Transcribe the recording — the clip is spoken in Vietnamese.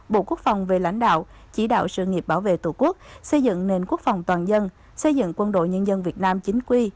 bộ quốc phòng về lãnh đạo chỉ đạo sự nghiệp bảo vệ tổ quốc xây dựng nền quốc phòng toàn dân xây dựng quân đội nhân dân việt nam chính quy